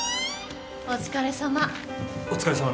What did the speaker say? お疲れさま